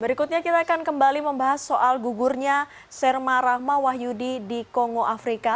berikutnya kita akan kembali membahas soal gugurnya serma rahma wahyudi di kongo afrika